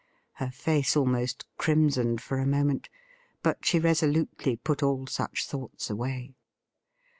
Her face almost crimsoned for a moment, but she resolutely put all such thoughts away.